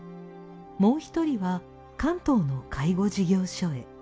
もう一人は関東の介護事業所へ。